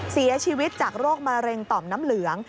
เสียชีวิตจากโรคมะเร็งต่อมน้ำเหลือง